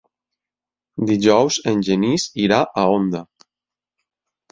Dijous en Genís irà a Onda.